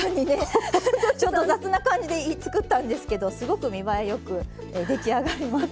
ちょっと雑な感じで作ったんですけどすごく見栄えよく出来上がります。